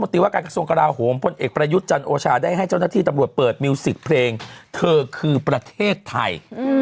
ตีว่าการกระทรวงกราโหมพลเอกประยุทธ์จันโอชาได้ให้เจ้าหน้าที่ตำรวจเปิดมิวสิกเพลงเธอคือประเทศไทย